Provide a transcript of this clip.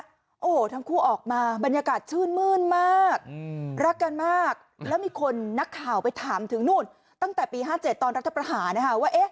โอ้โหทั้งคู่ออกมาบรรยากาศชื่นมื้นมากรักกันมากแล้วมีคนนักข่าวไปถามถึงนู่นตั้งแต่ปี๕๗ตอนรัฐประหารนะคะว่า